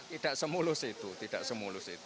tidak semulus itu tidak semulus itu